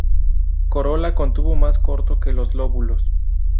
Corola con tubo más corto que los lóbulos.